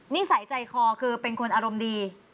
นิสัยใจคอคือเป็นคนอารมณ์ดี